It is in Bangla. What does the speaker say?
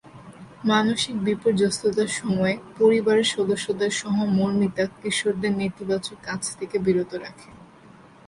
মানসিক বিপর্যস্ততার সময়ে পরিবারের সদস্যদের সহমর্মিতা কিশোরদের নেতিবাচক কাজ থেকে বিরত রাখে।